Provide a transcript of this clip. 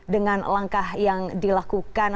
dengan langkah yang dilakukan